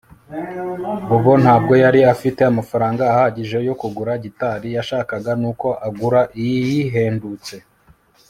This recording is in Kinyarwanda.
Bobo ntabwo yari afite amafaranga ahagije yo kugura gitari yashakaga nuko agura iyihendutse